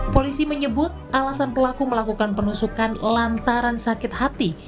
polisi menyebut alasan pelaku melakukan penusukan lantaran sakit hati